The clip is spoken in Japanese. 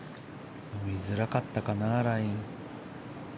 見づらかったかなライン。